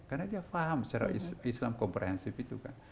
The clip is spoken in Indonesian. karena dia paham secara islam komprehensif itu kan